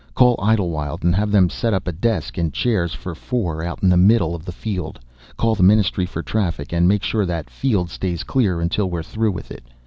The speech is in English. Call Idlewild and have them set up a desk and chairs for four out in the middle of the field. Call the Ministry for Traffic and make sure that field stays clear until we're through with it.